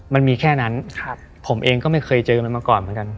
มันมีแค่นั้นผมเอ็งก็ไม่เคยเจอมันมาก่อน